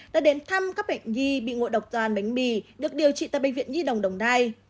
đã đến thăm các bệnh nhi bị ngộ độc toàn bánh mì được điều trị tại bệnh viện nhi đồng đồng nai